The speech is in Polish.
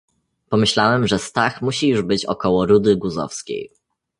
"Pomyślałem, że Stach musi już być około Rudy Guzowskiej."